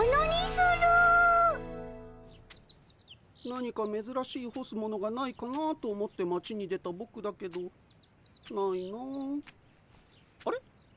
何かめずらしいほすものがないかなと思って町に出たぼくだけどないなああれ？